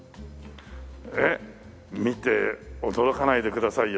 見て驚かないでくださいよ。